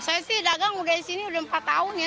saya sih dagang mulai sini udah empat tahun ya